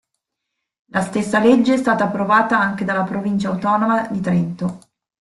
La stessa legge è stata approvata anche dalla Provincia Autonoma di Trento.